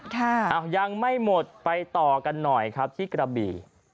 อ้าวยังไม่หมดไปต่อกันหน่อยครับที่กระบี่